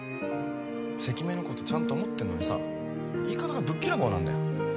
関目のことちゃんと思ってんのにさ言い方がぶっきらぼうなんだよ。